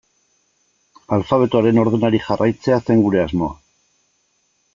Alfabetoaren ordenari jarraitzea zen gure asmoa.